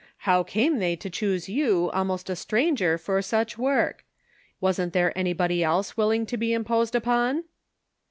How came they to choose you, almost a stranger, for such work ? Wasn't there anybody else willing to be im posed upon?"